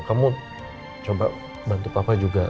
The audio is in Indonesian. kamu coba bantu papa juga